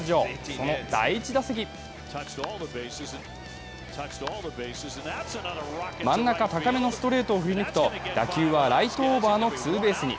その第１打席真ん中高めのストレートを振り抜くと打球はライトオーバーのツーベースに。